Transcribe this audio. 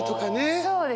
そうですね。